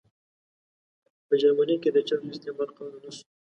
په جرمني کې د چرسو استعمال قانوني شو.